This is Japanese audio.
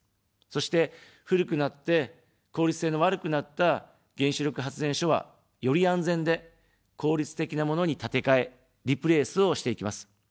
そして、古くなって効率性の悪くなった原子力発電所は、より安全で効率的なものに建て替え、リプレースをしていきます。